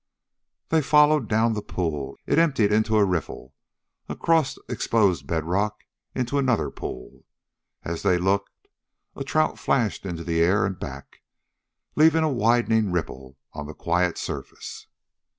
They followed down the pool. It emptied in a riffle, across exposed bedrock, into another pool. As they looked, a trout flashed into the air and back, leaving a widening ripple on the quiet surface.